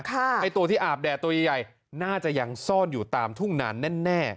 ไอ้ตัวที่อาบแดดตัวใหญ่น่าจะยังซ่อนอยู่ตามทุ่งนานแน่